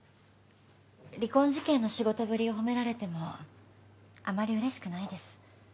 離婚事件の仕事ぶりを褒められてもあまり嬉しくないです。